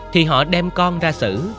thì họ đem con ra xử